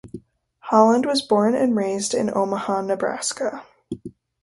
Holland was born and raised in Omaha, Nebraska.